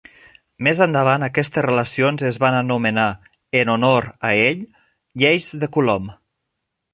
Més endavant aquestes relacions es van anomenar, en honor a ell, lleis de Coulomb.